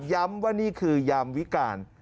ย้ำว่านี่คือยามวิการ